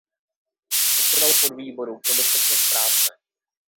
Předsedal podvýboru pro bezpečnost práce.